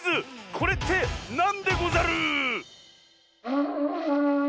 「これってなんでござる」！